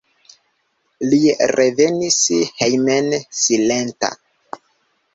Li revenis hejmen silenta.